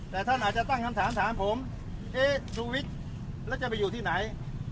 แต่ท่านอาจจะตั้งคำถามถามผมเอ๊ะชูวิทย์แล้วจะไปอยู่ที่ไหน